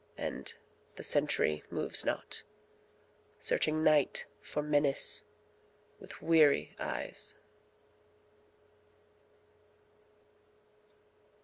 And the sentry moves not, searching Night for menace with weary eyes.